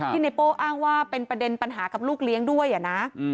ที่นายโป้อ้างว่าเป็นปัญหากับลูกเลี้ยงด้วยอะนะ